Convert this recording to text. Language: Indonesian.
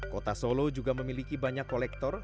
kota solo juga memiliki banyak kolektor